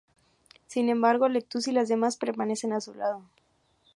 Sin embargo, Lettuce y las demás permanecen a su lado.